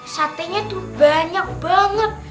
satenya tuh banyak banget